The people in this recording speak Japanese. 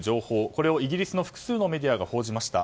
これをイギリスの複数のメディアが報じました。